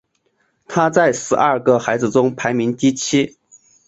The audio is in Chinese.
他在十二个孩子中排第七。